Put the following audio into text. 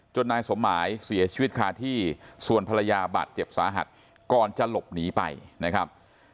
นายสมหมายเสียชีวิตคาที่ส่วนภรรยาบาดเจ็บสาหัสก่อนจะหลบหนีไปนะครับ